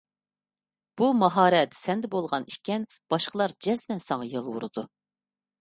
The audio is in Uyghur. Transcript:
بۇ ماھارەت سەندە بولغان ئىكەن، باشقىلار جەزمەن ساڭا يالۋۇرىدۇ.